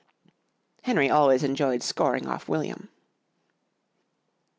Henry always enjoyed scoring off William.